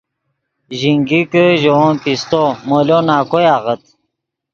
ژینگیکے ژے ون پیستو مولو نکوئے آغت